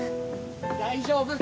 大丈夫？